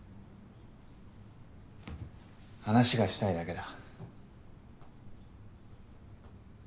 話がしたいだけだ。